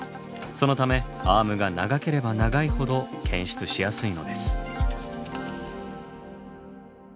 そのためアームが長ければ長いほど検出しやすいのです。